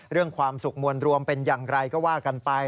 ความสุขมวลรวมเป็นอย่างไรก็ว่ากันไป